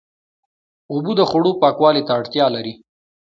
اوبه د خوړو پاکوالي ته اړتیا لري.